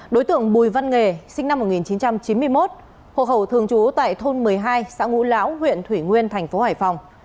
đối tượng bùi văn nghề sinh năm một nghìn chín trăm chín mươi một hộ khẩu thường trú tại thôn một mươi hai xã ngũ lão huyện thủy nguyên thành phố hải phòng